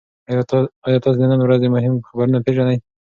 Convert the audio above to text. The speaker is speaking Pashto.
ایا تاسي د نن ورځې مهم خبرونه پېژنئ؟